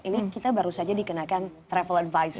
ini kita baru saja dikenakan travel advice